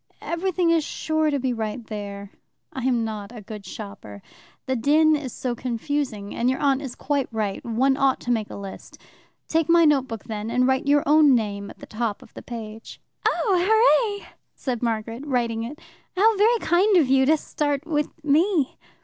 "Everything is sure to be there. I am not a good shopper. The din is so confusing, and your aunt is quite right one ought to make a list. Take my notebook, then, and write your own name at the top of the page." "Oh, hooray!" said Margaret, writing it. "How very kind of you to start with me!"